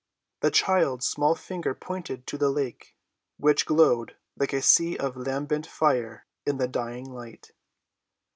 The child's small finger pointed to the lake, which glowed like a sea of lambent fire in the dying light.